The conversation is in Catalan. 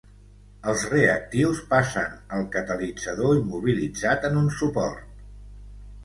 Els reactius passen al catalitzador immobilitzat en un suport.